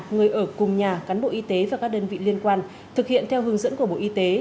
người ở cùng nhà cán bộ y tế và các đơn vị liên quan thực hiện theo hướng dẫn của bộ y tế